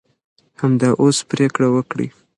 همدا اوس پرېکړه وکړئ.